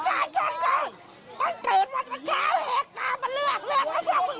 อยากได้คนดีมาทำงานทำวันทราบถนน